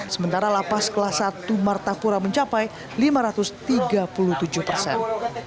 sementara lapas kelas satu martapura mencapai lima ratus tiga puluh tujuh persen